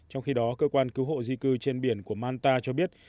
trong khi đó cơ quan cứu hộ di cư trên biển của manta cho biết